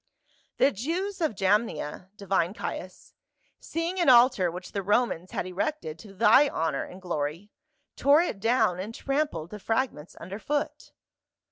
"The Jews of Jamnia, divine Caius, seeing an altar which the Romans had erected to thy honor and glory, tore it down and trampled the fragments under foot."